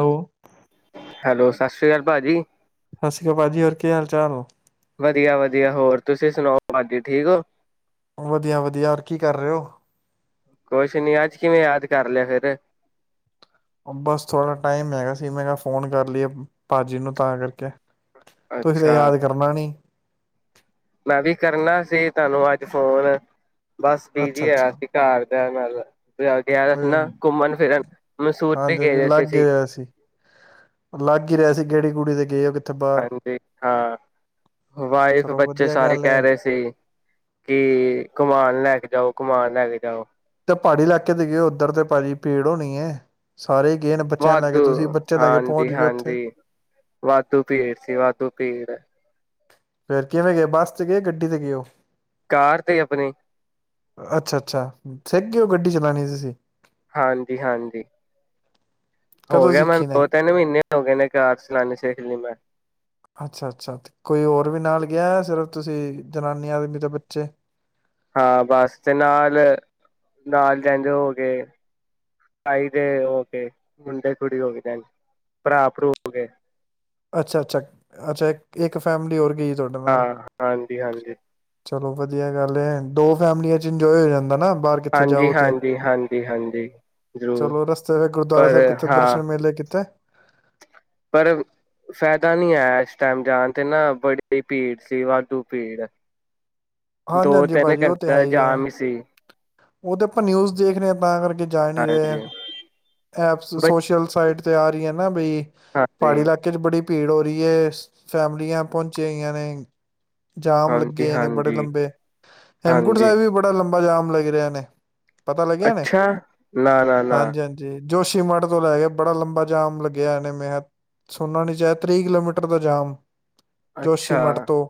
Hello hello ਸਤਿ ਸ੍ਰੀ ਅਕਾਲ ਭਾਜੀ ਸਤਿ ਸ੍ਰੀ ਅਕਾਲ ਭਾ ਜੀ ਹੋਰ ਕੀ ਹਾਲ ਚਾਲ ਹੋ ਵਧੀਆ ਵਧੀਆ ਹੋਰ ਤੁਸੀਂ ਸੁਣਾਓ ਭਾਜੀ ਠੀਕ ਹੋ ਵਧੀਆ ਵਧੀਆ ਹੋਰ ਕੀ ਕਰ ਰਹੇ ਹੋ ਕੁਛ ਨੀ ਅੱਜ ਕਿਵੇਂ ਯਾਦ ਕਰ ਲਿਆ ਫਿਰ ਬਸ ਥੋੜ੍ਹਾ ਟਾਈਮ ਹੈਗਾ ਸੀ ਮੈਂ ਕਿਹਾ ਫੋਨ ਕਰ ਲਈਏ ਭਾਜੀ ਨੂੰ ਤਾਂ ਕਰਕੇ ਤੁਸੀਂ ਤੇ ਅੱਛਾ ਯਾਦ ਕਰਨਾ ਨ [inaudible] ਮੈਂ ਵੀ ਕਰਨਾ ਸੀ ਤੁਹਾਨੂੰ ਅੱਜ ਫੋਨ ਬਸ ਬੀਜ਼ੀ ਅੱਛਾ ਆਇਆ ਅੱਛਾ ਸੀ ਘਰ ਤੇਨ ਉਹ ਗਿਆ ਸੀ ਨਾ ਹਾਂਜੀ ਘੁੰਮਣ ਫਿਰਨ ਮਸੂਰ ਤੇ ਗਏ ਹਾਂਜੀ ਰ ਲੱਗ ਹੀ ਸੀ ਰਿਹਾ ਲੱਗ ਹੀ ਰਿਹਾ ਸੀ ਗੇੜੀ ਕੁੜੀ ਦੇ ਹਾਂਜੀ ਹਾਂ ਵਾਈਫ ਚਲੋ ਬੱਚੇ ਵਧੀਆ ਸਾਰੇ ਗੱਲ ਕਹਿ ਹੈ ਰਹੇ ਸੀ ਕਿ ਕਮਾਨ ਲੈ ਕੇ ਜਾਓ ਕਮਾਨ ਹੈ ਕੇ ਜਾਓ ਤੇ ਪਹਾੜੀ ਇਲਾਕੇ ਤੇ ਗਏ ਉੱਧਰ ਤੇ ਭਾਜੀ ਭੇੜ ਹੋਣੀ ਹੈ ਸਾਰੇ ਹੀ ਗਏ ਨੇ ਬੱਚਿਆਂ ਨੂੰ ਲੈ ਕੇ ਵਾਧੂ ਤੁਸੀਂ ਬੱਚੇ ਲੈ ਕੇ ਪਹੁੰਚ ਹਾਂਜੀ ਗਏ ਉੱਥੇ ਹਾਂਜੀ ਵਾਧੂ ਭੀੜ ਸੀ ਵਾਧੂ ਭੀੜ ਫਿਰ ਕਿਵੇਂ ਗਏ ਬੱਸ ਤੇ ਗਏ ਗੱਡੀ ਤੇ ਗਏ ਉਹ ਕਾਰ ਤੇ ਆਪਣੀ ਅੱਛਾ ਅੱਛਾ ਸਹੀ ਉਹ ਗੱਡੀ ਚਲਾਣੀ ਸੀ। ਹਾਂਜੀ ਹਾਂਜੀ ਹੋ ਕਦੋਂ ਗਿਆ ਮੈਨੂੰ ਸਿੱਖੀ ਨੇ ਦੋ ਤਿੰਨ ਮਹੀਨੇ ਹੋ ਗਏ ਨੇ ਕਾਰ ਚਲਾਨੀ ਸਿਖ ਲਈ ਮੈਂ। ਅੱਛਾ-ਅੱਛਾ ਤੇ ਕੋਈ ਹੋਰ ਵੀ ਨਾਲ ਗਿਆ ਸਿਰਫ ਤੁਸੀਂ ਜਨਾਨੀ ਆਦਮੀ ਦੇ ਬੱਚੇ ਹਾਂ ਬਸ ਤੇ ਨਾਲ ਨਾਲ ਕਹਦੇ ਹੋ ਗਏ ਤਾਈ ਦੇ ਹੋ ਗ ਮੁੰਡੇ ਕੁੜੀ ਹੋ ਗਦੇ ਭਰਾ ਭਰੂ ਹੋ ਗਏ। ਅੱਛਾ ਅੱਛਾ ਅੱਛਾ ਇੱਕ ਇੱਕ ਫੈਮਿਲੀ ਹੋਰ ਗਈ ਤੁਹਾਡੇ ਨਾਲ ਹਾਂ ਹਾਂਜੀ ਹਾਂਜੀ ਚਲੋ ਵਧੀਆ ਗੱਲ ਹੈ ਦੋ ਫੈਮਲੀਆਂ 'ਚ ਇੰਜੋਏ ਹੋ ਜਾਂਦਾ ਨਾ। ਬਾਹਰ ਕਿੱਥੇ ਹਾਂਜੀ ਜਾਓ ਤੇ ਹਾਂਜੀ ਹਾਂਜੀ ਹਾਂਜੀ ਜ਼ਰੂਰ ਚਲੋ ਰਸਤੇ ਫਿਰ ਗੁਰਦੁਆਰਾ ਪਰ ਸਾਹਿਬ ਕਿੱਥੇ ਹਾਂ ਦਰਸ਼ਨ ਮੇਲੇ ਕਿਤੇ ਪਰ ਫਾਇਦਾ ਨਹੀਂ ਆਇਆ ਇਸ ਟਾਈਮ ਜਾਣ ਤੇ ਨਾ ਬੜੀ ਭੀੜ ਸੀ ਵਾਧੂ ਭੀੜ ਹਾਂਜੀ ਦੋ ਹਾਂਜੀ ਤਿੰਨ ਭਾਜੀ ਉਹ ਤੇ ਘੰਟੇ ਹੈ ਦਾ ਹੀ ਹੈ ਜਾਮ ਸੀ ਉਹ ਤੇ ਆਪਾਂ ਨਿਊਜ਼ ਦੇਖ ਰ ਹਾਂ ਤਾਂ ਕਰਕੇ ਜਾ ਨੀ ਹਾਂਜੀ ਰਹੇ ਐਪਸ ਬ ਸੋਸ਼ਲ ਸਾਈਟ ਤੇ ਆ ਰਹੀ। ਨਾ ਬਈ ਪਹਾੜੀ ਹਾਂਜੀ ਇਲਾਕੇ ਚ ਬੜੀ ਭੀੜ ਹੋ ਰਹੀ ਹੈ ਫੈਮਲੀਆਂ ਪਹੁੰਚਈਆਂ ਹੋਈਆ ਨੇ। ਜਾਮ ਹਾਂਜੀ ਲੱਗੇ ਨੇ ਬੜੇ ਹਾਂਜੀ ਲੰਬੇ ਹੇਮਕੁੰਟ ਹਾਂਜੀ ਸਾਹਿਬ ਵੀ ਬੜਾ ਲੰਬਾ ਜਾਮ ਲੱਗਾ। ਕਿਰਿਆ ਨੇ ਪਤਾ ਲੱਗਿਆ ਨੇ ਅੱਛਾ ਨਾ ਨਾ ਨਾ ਹਾਂਜੀ ਹਾਂਜੀ ਜੋਸ਼ੀ ਮਠ ਤੋਂ ਲੈ ਕੇ ਬੜਾ ਲੰਬਾ ਜਾਮ ਲੱਗਿਆ ਇਹਨੇ ਮੇ ਸੁਣਨਾ ਨੀ ਚਾਹ ਤੀਹ ਕਿਲੋਮੀਟਰ ਦਾ ਜਾਮ। ਜੋਸ਼ੀ ਅੱਛਾ ਮਠ ਤੋਂ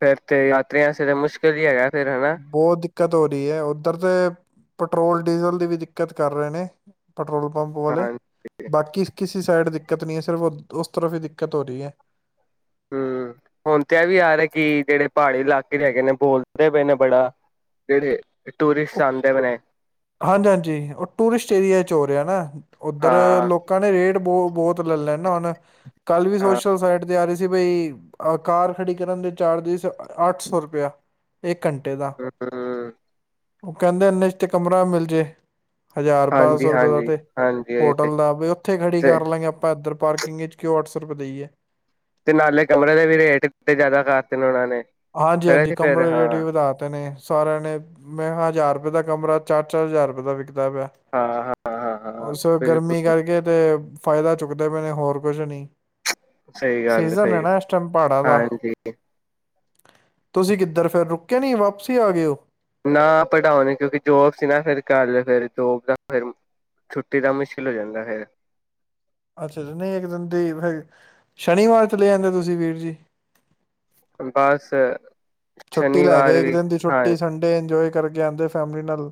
ਫੇਰ ਤੇ ਯਾਤਰੀਆਂ ਲਈ ਤਾਂ ਮੁਸ਼ਕਿਲ ਹੀ ਹੈਗਾ। ਫੇਰ ਹਨਾ ਬੋਤ ਦਿੱਕਤ ਹੋ ਰਹੀ ਹੈ ਉੱਧਰ ਤੇ ਪੈਟਰੋਲ ਡੀਜ਼ਲ ਦੀ ਵੀ ਦਿੱਕਤ ਕਰ ਰਹੇ ਨੇ। ਪੈਟਰੋਲ ਪੰਪ ਵਾਲੇ ਹਾਂਜੀ ਬਾਕੀ ਕਿਸੇ ਸਾਈਡ ਦਿੱਕਤ ਨਹੀਂ ਹੈ ਸਿਰਫ ਉਸ ਤਰਫ ਹੀ ਦਿੱਕਤ ਹੋ ਰਹੀ ਹੈ। ਹੂੰ ਹੁਣ ਤੇ ਇਹ ਵੀ ਯਾਰ ਹੈ ਕਿ ਜਿਹੜੇ ਪਹਾੜੀ ਇਲਾਕੇ ਹੈਗੇ ਨੇ ਬੋਲਦੇ ਪਏ ਨੇ ਬੜਾ ਜਿੜੇ ਟੂਰਿਸਟ ਆਦੇ ਨੇ। ਹਾਂਜੀ ਹਾਂਜੀ ਉਹ ਟੂਰਿਸਟ ਏਰੀਆ ਚ ਹੋ ਰਿਹਾ ਨਾ। ਉੱਧਰ ਹਾਂ ਲੋਕਾਂ ਨੇ ਰੇਟ ਬਹੁਤ ਲੈ ਲੈ ਨਾ ਹੁਣ ਕੱਲ ਵੀ ਹਾਂ ਸੋਸ਼ਲ ਸਾਈਟ ਤੇ ਆ ਰਹੀ ਸੀ ਬਈ ਕਾਰ ਖੜੀ ਕਰਨ ਦੇ ਚਾਰਜਿਸ ਅੱਠ ਸੌ ਰੁਪਆ ਇੱਕ ਘੰਟੇ ਦਾ ਹੂੰ ਉਹ ਕਹਿੰਦੇ ਨਿਸ਼ਟਿਕ ਕਮਰਾ ਮਿਲ ਜੇ ਹਜ਼ਾਰ ਬਾਰਾਂ ਹਾਂਜੀ ਸੌ ਰੁਪਏ ਦਾ ਹਾਂਜੀ ਤੇ ਹਾਂਜੀ ਇਹ ਤੇ ਹੋਟਲ ਦਾ ਉੱਥੇ ਖੜੀ ਤੇ ਕਰ ਲਾਂਗੇ ਆਪਾਂ ਇੱਧਰ ਪਾਰਕਿੰਗ ਵਿਚ ਕਿ ਅਠ ਰੁਪ ਦੇਈਏ ਤੇ ਨਾਲੇ ਕਮਰੇ ਦੇ ਵੀ ਰੇਟ ਕਿ [unintelligible] ਜ਼ਿਆਦਾ ਕਰਤੇ ਨੇ ਉਹਨਾਂ ਨੇ ਹਾਂਜੀ ਫੇਰ ਹਾਂਜੀ ਅਸੀਂ ਫੇਰ ਕਮਰੇ ਹਾਂ ਰੇਟ ਵੀ ਵਧਾਤੇ ਨੇ ਸਾਰਿਆਂ ਨੇ ਮੈਂ ਹਜ਼ਾਰ ਦਾ ਕਮਰਾ ਚਾਰ ਚਾਰ ਹਜ਼ਾਰ ਰੁਪਏ ਦਾ ਵਿਕ ਕਦਾ ਪਿਆ ਹਾਂ ਹਾਂ ਹਾਂ ਹਾਂ ਉਸ ਗਰਮੀ ਬਿਲਕੁਲ ਕਰਕੇ ਤੇ ਫਾਇਦਾ ਚੁੱਕਦੇ ਪਏ ਨੇ ਹੋਰ ਕੁਝ ਨੀ ਸਹੀ ਗੱਲ ਹੈ ਸਹੀ ਪਹਾੜਾਂ ਦਾ ਹਾਂਜੀ ਤੁਸੀਂ ਕਿੱਧਰ ਫਿਰ ਰੁਕੇ ਨੀ ਵਾਪਸੀ ਆ ਗਏ ਓ ਨਾ ਪੜ੍ਹਾਉਣੇ ਕਿਉਂਕਿ ਜੋਬ ਸੀ ਨਾ ਫਿਰ ਕਰ ਲ ਫਿਰ ਜੋਬ ਦਾ ਫਿਰ ਛੁੱਟੀ ਦਾ ਮੁਸ਼ਕਿਲ ਹੋ ਜਾਂਦਾ ਫਿਰ ਅੱਛਾ ਅੱ ਨਹੀਂ ਇੱਕ ਦਿਨ ਦੀ ਰੀਫ ਬਸ ਛੁੱਟੀ ਲੈ ਸ਼ਨੀਵਾਰ ਕੇ ਇੱਕ ਵੀ ਦਿਨ ਦੀ ਹਾਂ ਛੁੱਟੀ ਸੰਡੇ ਇੰਜੋਏ ਕਰਕੇ ਆਂਦੇ ਫੈਮਿਲੀ ਨਾਲ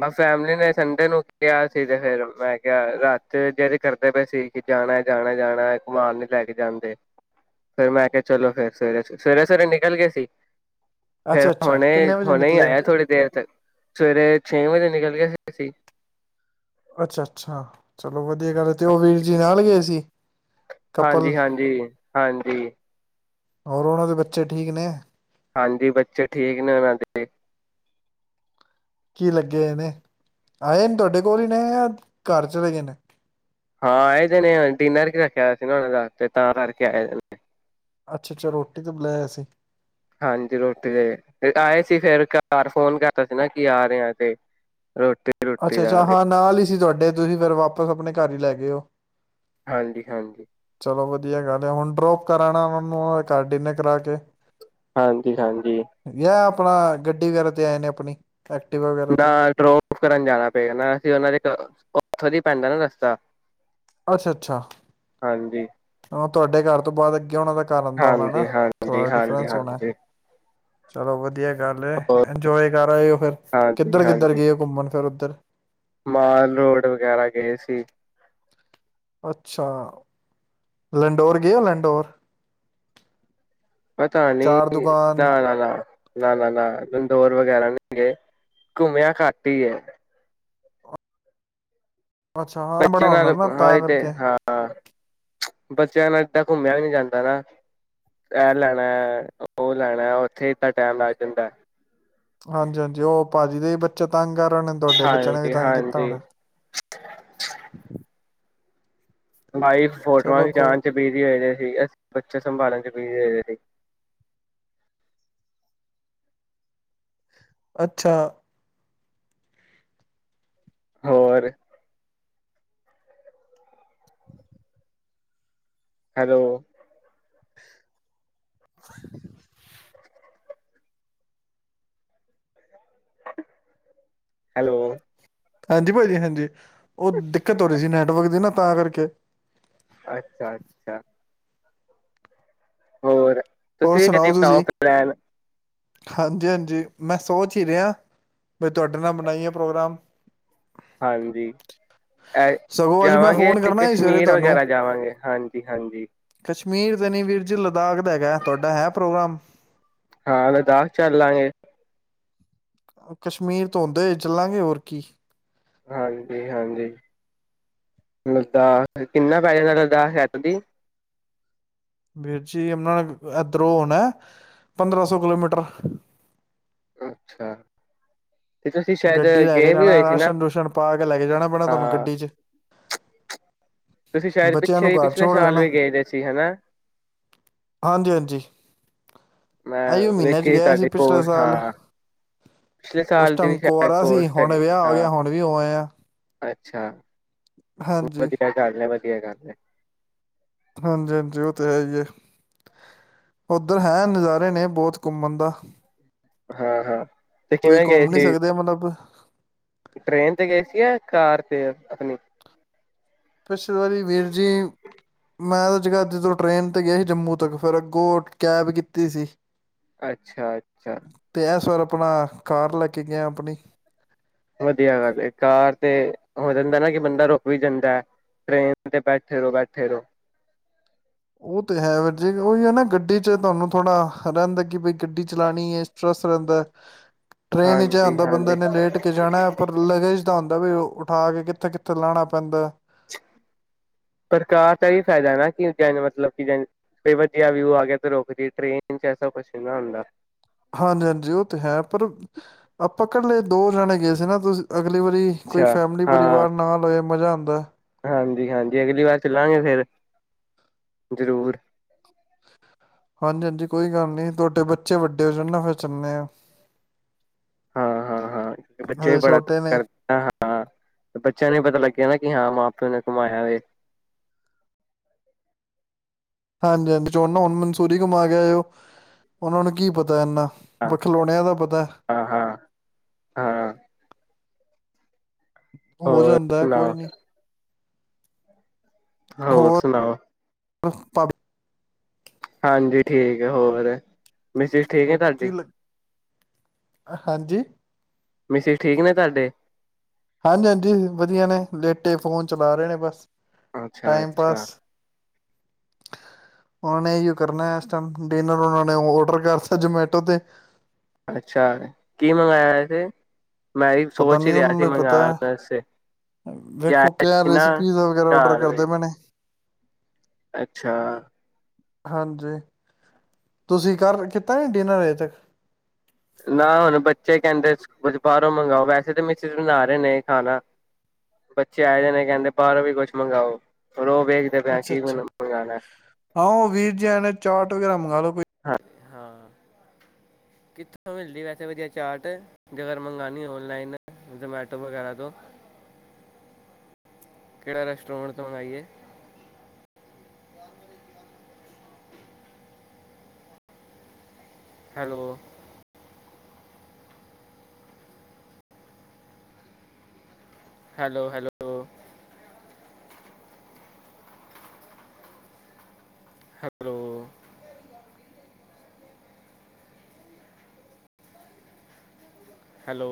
ਮੈਂ ਫੈਮਲੀ ਨੇ ਸੰਡੇ ਨੂੰ ਕਿਹਾ ਸੀ ਤੇ ਫਿਰ ਮੈਂ ਕਿਹਾ ਰਾਤ ਜ ਕਰਦੇ ਪਏ ਸੀ ਕਿ ਜਾਣਾ ਜਾਣਾ ਜਾਣਾ ਘੁਮਾਣ ਨ ਲੈ ਕੇ ਜਾਂਦੇ ਫਿਰ ਮੈਂ ਕਿਹਾ ਚਲੋ ਫਿਰ ਸਵੇਰੇ ਸਵੇਰੇ ਸਵੇਰੇ ਨਿਕਲ ਗਏ ਸੀ ਫੇਰ ਅੱਛਾ ਅੱਛਾ ਹੁਣੇ ਕਿੰਨੇ ਵਜੇ ਹੁਣੇ ਹੀ ਨਿਕਲੇ ਹੋ ਆਇਆ ਥੋੜੀ ਦੇਰ ਤੱਕ ਸਵੇਰੇ ਨਿਕਲ ਗਏ ਸੀ ਸੀ ਅੱਛਾ ਅੱਛਾ ਚਲੋ [inaudible] ਚਲ ਵਧੀਆ ਗੱਲ ਤੇ ਉਹ ਵੀਰ ਜੀ ਨਾਲ ਗਏ ਸੀ ਕਪਲ ਹਾਂਜੀ ਹਾਂਜੀ ਹਾਂਜੀ ਹੋਰ ਉਹਨਾਂ ਦੇ ਬੱ ਹਾਂਜੀ ਬੱਚੇ ਠੀ ਕੀ ਲੱਗੇ ਇਹਨੇ ਏ ਨੇ ਹਾਂ ਆਏਦੇ ਨੇ ਡਿਨਰ ਰੱਖਿਆ ਹੋਇਆ ਸੀ ਨਾ ਦਾ ਤਾਂ ਕਰਕੇ ਆਏ ਅੱਛਾ ਅੱਛਾ ਰੋਟੀ ਤੋਂ ਬੁਲਾਇਆ ਸੀਂ ਹਾਂਜੀ ਰੋਟੀ ਦੇ ਆਏ ਸੀ ਫਿਰ ਘਰ ਫੋਨ ਕਰਦਾ ਸੀ ਨਾ ਕੀ ਆ ਰਿਹਾਂ ਤੇ ਰੋਟੀ ਰੋਟੀ ਅੱਛਾ ਦਾ ਅੱਛਾ ਹਾਂ ਨਾਲ ਹੀ ਸੀ ਤੁਹਾਡੇ [inaudible] ਤੁਸੀਂ ਫੇਿਰ ਵਾ ਹਾਂਜੀ ਹਾਂਜੀ ਲੋ ਵਧੀਆ ਗੱਲ ਆ ਹੁਣ ਡਰੋਪ ਕਰਾਣਾ ਉਹਨਾਂ ਨੂੰ ਘਰ ਡਿਨਰ ਕਰਾ ਕੇ ਹਾਂਜੀ ਹਾਂਜੀ ਯਾ ਆਪਣਾ ਗੱਡੀ ਵਗੈਰਾ ਤੇ ਆਏ ਨੇ ਆਪਣੀ ਐਕਟਿਵਾ ਵਗੈਰਾ ਨਾ ਤੇ ਡ੍ਰੌਪ ਕਰਨ ਜਾਣਾ [unintelligible] ਨਾ ਅਸੀਂ ਉਹਨਾਂ ਦੇ ਉੱਥੋਂ ਅੱਛਾ ਅੱਛਾ ਹਾਂਜੀ। ਅ ਤੁਹਾਡੇ ਘਰ ਤੋਂ ਬਾਅਦ ਅੱਗੇ ਹੋਣਾ ਦਾ ਕਾਰਨ ਦਾ ਹੋਣਾ ਨਾ ਥੋੜ੍ਹਾ ਡਿਫਰੈਂਸ ਹੋਣਾ ਐ ਹਾਂਜੀ-ਹਾਂਜੀ-ਹਾਂਜੀ-ਹਾਂਜੀ ਚਲੋ ਵਧੀਆ ਗੱਲ ਏ ਹੋਰ ਇੰਜੋਏ ਕਰ ਆਯੋ ਫਰ ਕਿੱਧਰ ਕਿੱਧਰ ਹਾਂਜੀ-ਹਾਂਜੀ ਗਏ ਘੁੰਮਣ ਫਿਰ ਉੱਧਰ ਮਾਲ ਰੋਡ ਵਗੈਰਾ, ਗਏ ਸੀ। ਅੱਛਾ! ਲੈਂੰਡੋਰ ਗੇਔ ਲੈਂਡੋਰ। ਪਤਾ ਨੀ, ਨਾ- ਨਾ- ਨਾ -ਨਾ -ਨਾ -ਨਾ ਬਿਲ ਦੋਰ ਵਗੈਰਾ ਨੀ ਗਏ, ਘੁੰਮਿਆ ਘੱਟੀਏ। ਅੱਛਾ ਹਾਂ ਬੜਾ ਬੱਚਿਆਂ ਨਾਲ, ਹੋਣਾ ਨਾ ਹਾ ਤਾਂ ਈ ਤੇ ਕਰਕੇ ਹਾਂ। [unintelligible] ਬੱਚਿਆਂ ਨਾਲ ਏਦਾਂ ਘੁੰਮਿਆ ਵੀ ਨੀ ਜਾਂਦਾ ਨਾ, ਇਹ ਲੈਣਾ, ਔਹ ਲੈਣਾ, ਔਓਥੇ ਤਾਂ ਟੈਮ ਲੱਗ ਜਾਂਦਾ। ਹਾਂਜੀ -ਹਾਂਜੀ ਔਹ ਭਾਜੀ ਦੇ ਹੀਂ ਬੱਚੇ ਤੰਗ ਆ। ਦੋਨੇ ਤੁਹਾਡੇ ਬੱਚਿਆਂ ਨੇ ਵੀ ਤੰਗ ਕੀਤਾ ਹਾਂਜੀ-ਹਾਂਜੀ। ਹੋਣਾ। ਵਾਈਫ ਫੋਟੋਆਂ ਚਲੋ ਕੋਈ ਖਿਚਾਨ ਚ ਬੀਜੀ ਹੈਗੇ। ਜੀ ਐਸ ਬੱਚਾ ਸੰਭਾਲਣ ਚ ਬੀ ਜੀ ਹੈਗੇਅ ਸੀ। ਅੱਛਾ। ਹੋਰ। ਹੈਲੋ। [inaudible] [unintelligible] ਹੈਲੋ। ਹਾਂਜੀ, ਭਾਜੀ ਹਾਂਜੀ। ਔ ਦਿੱਕਤ ਹੋ ਰਹੀ ਸੀ। ਨੈਟਵਰਕ ਦੀ ਨਾ। ਤਾਂ ਕਰਕੇ। ਅੱਛਾ- ਅੱਛਾ। ਹੋਰ। ਹੋਰ ਤੁਸੀਂ ਕਦੀ ਸੁਣਾਓ ਬਣਾਓ ਤੁਸੀਂ ਫਰਨੈਲ। ਹਾਂਜੀ- ਹਾਂਜੀ ਮੈਂ ਸੋਚ ਹੀ ਰਿਹਾ। ਬੀ ਤੁਹਾਡੇ ਨਾਲ ਬਣਾਇ ਏ ਪ੍ਰੋਗਰਾਮ। ਹਾਂਜੀ ਐ ਸਗੋਂ ਅੱਜ ਮੈਂ ਜਾਵਾਂਗੇ ਫੋਨ ਕਰਨਾ ਸੀ ਸਵੇਰੇ ਕਸ਼ਮੀਰ ਤੁਹਾਨੂੰ ਵਗੈਰਾ ਜਾਵਾਂਗੇ ਹਾਂਜੀ -ਹਾਂਜੀ ਮੀਰ ਦਾ ਨੀ ਵੀਰਜੀ ਦਮ਼ ਹੈਗਾਫ ਤੁਹਾਡਾ ਹੈ, ਪ੍ਰੋਗਰਾਮ। ਹਾਂ ਲਦਾਖ ਚੱਲ ਲਾਂਗੇ। ਔ ਕਸ਼ਮੀਰ ਤੋਂ ਹੋਦੇਂ ਚੱਲਾਂਗੇ ਹੋਰ ਕੀ ਹਾਂਜੀ -ਹਾਂਜੀ, ਲੱਦਾਖ ਕਿੰਨਾ ਪੈਜਨਾ ਲੱਦਾਖ ਹੈ ਤਦੀ ਵੀਰ ਜੀ ਯਮਨਾ ਏਧਰੋਂ ਹੋਣਾ ਪੰਦਰਾਂ ਸੌ ਕਿਲੋਮੀਟਰ ਹਹ ਅੱਛਾ। ਤੇ ਤੁਸੀਂ ਸ਼ਾਇਦ ਗੱਡੀ ਲੈ ਕੇ ਗਏ ਵੀ ਜਾਣਾ। ਹੋਏ ਸੀ ਨਾ ਰਾਸ਼ਨ, -ਰੂਸ਼ਨ ਪਾ ਕੇ ਲੈ ਕੇ ਜਾਣਾ ਪੈਣਾ ਤੁਹਾਨੂੰ ਹਾਂ ਗੱਡੀ ਚ ਤੁਸੀਂ ਸ਼ਾਇਦ ਬੱਚਿਆਂ ਨੂੰ ਪਿੱਛੇ ਹੀ ਘਰ ਪਿਛਲੇ ਛੋੜ ਸਾਲ ਜਾਣਾ ਵੀ ਗਏਦੇ ਸੀ ਹਨਾ। ਹਾਂਜੀ ਹਾਂਜੀ ਆਈਓ ਮੈਂ ਮਹੀਨੇ 'ਚ ਵੇਖੇ ਸੀ। ਗਿਆ ਤੁਹਾਡੇ ਪਿਛਲੇ ਕੋਲ ਹਾਂ ਪਿਛਲੇ ਸਾਲ ਦੀ ਵੀ ਹੁਣ ਸ਼ਾਇਦ ਕੁਆਰਾ ਸੀ। ਪੋਸਟ ਹੁਣ ਹੈਗੀ ਸੀ ਵਿਆਹ ਹੋ ਹਾਂ ਗਿਆ। ਹੁਣ ਵੀ ਹੋਆ ਏ ਆ। ਅੱਛਾ। ਵਧੀਆ ਘਰ ਨੇ ਬੇ ਕਿ ਹੈ ਗਾ ਹਾ ਮੇ ਹਾਂਜੀ, ਹਾਂਜੀ ਉਹ ਤੇ ਹੈ ਹੀ ਹੈ, ਉੱਧਰ ਹੈ ਨਜ਼ਾਰੇ ਨੇ ਬਹੁਤ ਘੁੰਮਣ ਦਾ। ਹਾਂ ਹਾਂ ਤੇ ਤੁਸੀਂ ਕਿਵੇਂ ਗਏ ਘੁੰਮ ਨਹੀਂ ਸੀ, ਸਕਦੇ ਮਤਲਬ ਟਰੇਨ ਤੇ ਗਏ ਸੀ ਜਾਂ ਕਾਰ ਤੇ? ਅਣੀ। ਪਿਛਲੇ ਵਾਰੀ ਵੀਰ ਜੀ, ਮੈਂ ਤਾਂ ਜਗਦਰੀ ਤੋਂ ਟਰੇਨ ਤੇ ਗਿਆ ਸੀ, ਜੰਮੂ ਤੱਕ ਫਿਰ ਅੱਗੋਂ ਕੈਬ ਕੀਤੀ ਸੀ। ਅੱਛਾ, ਅੱਛਾ। ਤੇ ਇਸ ਵਾਰ ਆਪਣਾ, ਕਾਰ ਲੈ ਕੇ ਗਿਆ ਆਪਣੀ। ਵਧੀਆ ਗੱਲ ਐ, ਕਾਰ ਤੇ ਹੋ ਜਾਂਦਾ ਨਾ ਕਿ, ਬੰਦਾ ਰੁਕ ਵੀ ਜਾਂਦਾ ਹੈ ਟ੍ਰੇਨ ਤੇ ਬੈਠੇ ਰਹੋ, ਬੈਠੇ ਰਹੋ। ਉਹ ਤੇ ਹੈ, ਵੀ ਜੇ ਉਹੀ ਹੈ ਨਾ ਗੱਡੀ ਚ ਤੁਹਾਨੂੰ ਥੋੜਾ ਰਹਿੰਦਾ ਕਿ ਬਈ, ਗੱਡੀ ਚਲਾਉਣੀ ਹੈ ਸਟਰੱਸ ਰਹਿੰਦਾ। ਟਰੇਨਚ ਹੀ ਹਾਂਜੀ ਆਂਦੇ ਬੰਦੇ ਹਾਂਜੀ ਨੇ ਲੇਟ ਕੇ ਜਾਣਾ ਹੈ, ਪਰ ਲਗੇਜ ਦਾ ਹੁੰਦਾ ਵੀ ਉਠਾ ਕੇ, ਕਿੱਥੇ, ਕਿੱਥੇ ਲਾਣਾ ਪੈਂਦਾ। ਪਰ ਕਾਰ ਦਾ ਇਹ ਫਾਇਦਾ ਨਾ ਕਿ, ਜ ਮਤਲਬ ਕਿ ਜ ਵ ਜਹਾ ਵਿਊ ਆ ਗਿਆ ਤੇ ਰੁਕ ਜ ਟੇਨ ਚ ਐਸਾ ਕੁਛ ਨਾ ਹੁੰਦਾ। ਹਾਂਜੀ ਹਾਂਜੀ ਉਹ ਤੇ ਹੈ, ਪਰ ਆਪਾਂ ਇਕੱਲੇ ਦੋ ਜਾਣੇ ਗਏ ਸੀ ਨਾ ਤੁਸੀਂ। ਅਗਲੀ ਵਾਰੀ, ਕੋਈ ਅੱਛਾ ਫੈਮਲੀ ਹਾਂ ਪਰਿਵਾਰ ਨਾ ਲਏ ਮਜ਼ਾ ਆਉਂਦਾ। ਹਾਂਜੀ, ਹਾਜੀ ਅਗਲੀ ਵਾਰ ਚਲਾਂਗੇ, ਫੇਰ ਜਰੂਰ। ਹਾਂਜੀ, ਹਾਂਜੀ ਕੋਈ ਗੱਲ ਨੀ ਤੁਹਾਡੇ ਬੱਚੇ ਵੱਡੇ ਹੋ ਜਾਣ ਨਾ ਫਿਰ ਚੱਲਦੇ ਆ। ਹਾਂ, ਹਾਂ, ਹਾਂ ਬੱਚੇ ਵੀ ਹਜੇ ਬੜਾ ਛੋਟੇ ਨੇ ਕਰਦਾ ਹਾਂ। ਹਾਂ, ਬੱਚਿਆਂ ਨੂੰ ਪਤਾ ਲੱਗਿਆ ਨਾ ਕਿ, ਹਾਂ ਮਾਂ ਪਿਓ ਨੇ ਕਮਾਇਆ ਹੈ। ਹਾਂਜੀ, ਹਾਂਜੀ ਚੋਣ ਨਾ ਹੁਣ ਮਨਸੂਰੀ ਘੁੰਮਾ ਕੇ ਆਏਓ ਉਹਨਾਂ ਨੂੰ ਕੀ ਪਤਾ ਇਨਾ। ਹਾਂ, ਹਾਂ, ਹਾਂ, ਹਾਂ। ਹੋ ਹੋਰ ਜਾਂਦਾ ਹੈ, ਕੋਈ ਸੁਣਾਓ ਨੀ। ਹੋਰ ਸੁਣਾਓ। ਪ ਹਾਂਜੀ, ਠੀਕ ਹੈ ਹੋਰ। ਮਿਸੇਸ ਠੀਕ ਹੈ, ਤੁਹਾਡੀ। ਕੀ ਲ ਹਾਂਜੀ? ਮਿਸਿਸ ਠੀਕ ਨੇ ਤੁਹਾਡੇ ਹਾਂਜੀ, ਹਾਂਜੀ ਵਧੀਆ ਨੇ ਲੇਟੇ ਫੋਨ ਚਲਾ ਰਹੇ ਨੇ ਬਸ। ਅੱਛਾ, ਟਾਈਮ ਅੱਛਾ। ਪਾਸ ਉਹਨਾਂ ਨੇ ਇਹੀਓ ਕਰਨਾ ਇਸ ਟਾਈਮ, ਡਿਨਰ ਉਹਨਾਂ ਨੇ ਔਡਰ ਕਰਤਾ ਜਮੈਟੋ ਤੇ। ਅੱਛਾ, ਕੀ ਮੰਗਾਇਆ ਇਥੇ। ਪਤਾ ਨੀ ਉਹਨਾਂ ਨੂੰ ਪਤਾ ਹੈ? ਵੇਖੋ ਆਇਆ ਕਿਆ ਸੀ ਨਾ ਰੈਸਪੀਜ਼ ਵਗੈਰਾ ਓਡਰ ਘਰ ਦੇ ਕਰਦੇ ਪਏ ਨੇ। ਅੱਛਾ। ਹਾਂਜੀ, ਤੁਸੀਂ ਕਰ ਕੀਤਾ ਨੀ ਡਿਨਰ ਹਜੇ ਤੱਕ? ਨਾ ਹੁਣ ਬੱਚੇ ਕਹਿੰਦੇ, ਕੁਛ ਬਾਹਰੋਂ ਮੰਗਾਓ ਵੈਸੇ ਤਾਂ ਮਿਸਿਸ ਬਣਾ ਰਹੇ ਨੇ ਖਾਣਾ। ਬੱਚੇ ਆਏ ਨੇ ਕਹਿੰਦੇ ਬਾਹਰੋਂ ਵੀ ਕੁਛ ਮੰਗਵਾਓ। ਹੋਰ ਉਹ ਵੇਖਦੇ ਪਏ ਅੱਛਾ, ਕੀ ਅੱਛਾ ਮੰਗਵਾਉਣਾ ਹਾਂ ਉਹ ਵੀਰ ਜੀ ਆਏਨੇ ਚਾਟ ਵਗੈਰਾ ਮੰਗਵਾ ਲੋ ਕੋਈ। ਹਾਂ। ਕਿੱਥੋਂ ਮਿਲਦੀ ਵੈਸੇ ਵਧੀਆ ਚਾਟ? ਜੇਗਰ ਮੰਗਾਂਉਣੀ ਔਨਲਾਈਨ ਜ਼ਮੈਟੋ ਵਗੈਰਾ ਤੋਂ ਕਿਹੜਾ ਰੈਸਟੋਰੈਂਟ ਤੋਂ ਮੰਗਵਾਈਏ। Hello? Hello, hello. Hello, hello,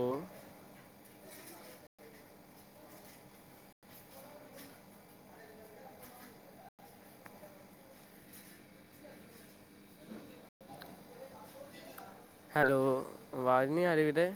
hello, ਅਵਾਜ਼ ਨੀ ਆਰੀ ਵੀਰੇ